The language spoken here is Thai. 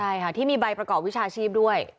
ใช่ค่ะที่มีใบประกอบวิชาชีพด้วย